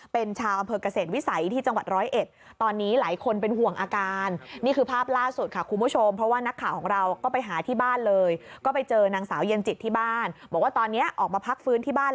เป็นชาวอำเภอกเกษตรวิสัยที่จังงวัดร้อยเอ็ด